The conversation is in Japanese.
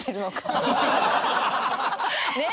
ねっ。